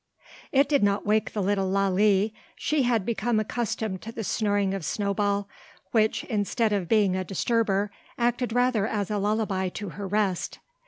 It did not wake the little Lalee. She had become accustomed to the snoring of Snowball, which, instead of being a disturber, acted rather as a lullaby to her rest.